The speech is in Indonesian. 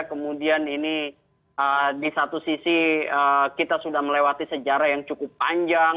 kemudian ini di satu sisi kita sudah melewati sejarah yang cukup panjang